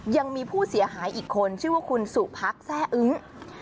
ยังมีผู้เสียหายอีกคนชื่อว่าคุณสุพักแร่อึ้ง